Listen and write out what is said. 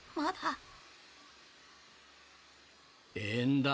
ええんだ。